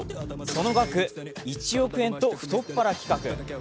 その額、１億円と太っ腹企画。